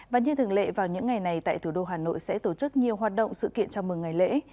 và như thường lệ vào những ngày này tại thủ đô hà nội sẽ tổ chức nhiều hoạt động sự kiện chào mừng ngày lễ